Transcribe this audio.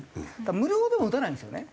無料でも打たないんですよね。